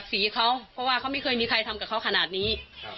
สีเขาเพราะว่าเขาไม่เคยมีใครทำกับเขาขนาดนี้